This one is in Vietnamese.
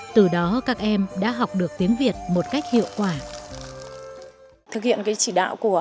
từ đó các em đã học được tiếng việt một cách hiệu quả